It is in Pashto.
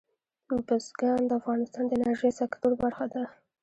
بزګان د افغانستان د انرژۍ سکتور برخه ده.